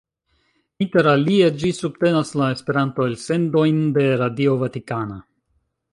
Inter alie ĝi subtenas la Esperanto-elsendojn de la Radio Vatikana.